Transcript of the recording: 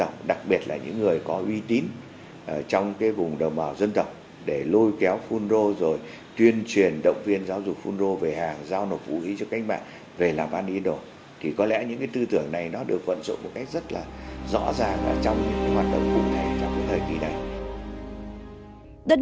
các bạn hãy đăng ký kênh để ủng hộ kênh của mình nhé